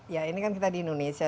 ya ini kan kita di indonesia